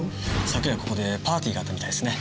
昨夜ここでパーティーがあったみたいですね。